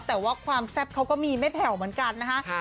แต่ว่าความแซ่บเขาก็มีไม่แผ่วเหมือนกันนะคะ